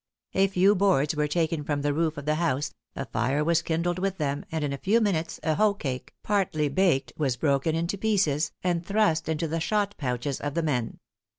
A few boards were taken from the roof of the house, a fire was kindled with them, and in a few minutes a hoe cake, partly baked, was broken into pieces, and thrust into the shot pouches of the men.